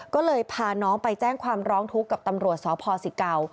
ก็เลยพาน้องไปแจ้งความร้องทุกข์กับตำรวจสพศิเก่า